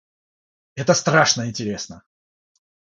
Это страшно интересно!